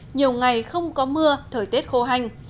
nhiều ngày không có mưa thời tiết khô hành